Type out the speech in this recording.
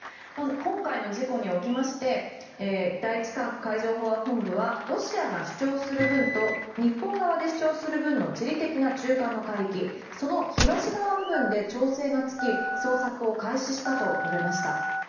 今回の事故におきまして第一管区海上保安本部はロシアが主張する分と日本側で主張する分の中間の海域その東側部分で調整がつき捜索を開始したと述べました。